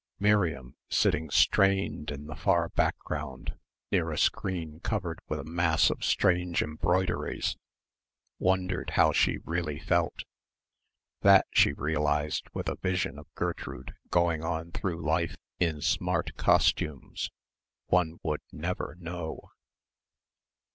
Miriam, sitting strained in the far background near a screen covered with a mass of strange embroideries, wondered how she really felt. That, she realised with a vision of Gertrude going on through life in smart costumes, one would never know.